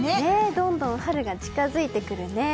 どんどん春が近づいてくるね。